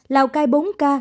lào cai bốn ca